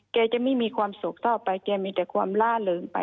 แกจะไม่มีความสุขเท่าไปแกมีแต่ความล่าเริงไป